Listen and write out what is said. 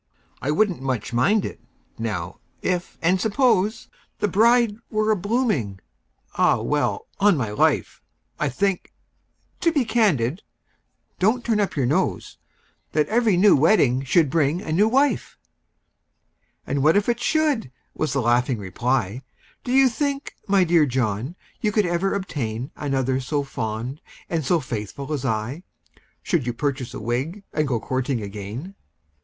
"I wouldn't much mind it, now—if—and suppose— The bride were a blooming—Ah! well—on my life, I think—to be candid—(don't turn up your nose!) That every new wedding should bring a new wife!" "And what if it should?" was the laughing reply; "Do you think, my dear John, you could ever obtain Another so fond and so faithful as I, Should you purchase a wig, and go courting again?"